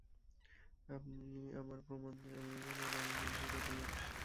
আপনি আমার প্রণাম জানিবেন ও জ্ঞানানন্দকে দিবেন।